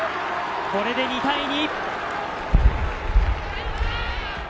これで２対２。